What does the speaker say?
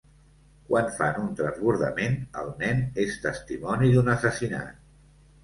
Quan fan un transbordament, el nen és testimoni d'un assassinat.